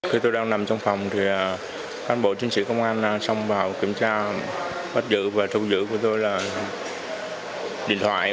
khi tôi đang nằm trong phòng thì cán bộ chiến sĩ công an xong vào kiểm tra bắt giữ và thu giữ của tôi là điện thoại